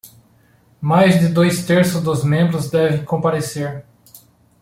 Mais de dois terços dos membros devem comparecer